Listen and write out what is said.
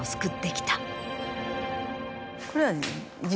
これはね。